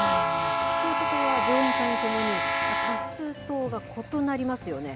ということは、上院下院ともに多数党が異なりますよね。